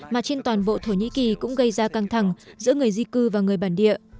mà trên toàn bộ thổ nhĩ kỳ cũng gây ra căng thẳng giữa người di cư và người bản địa